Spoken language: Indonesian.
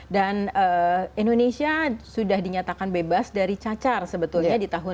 dan indonesia sudah dinyatakan bebas dari cacar sebetulnya di tahun delapan puluh